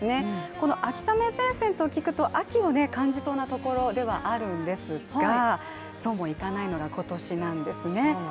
この秋雨前線と聞くと秋を感じそうなところではあるんですがそうもいかないのが今年なんですね。